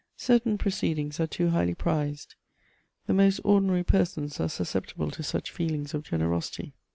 Certain proceedings are too highly prized; the most ordinary persons are susceptible to such feelings of generosity.